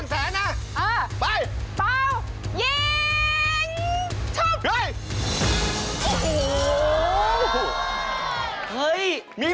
เสาคำยันอาวุธิ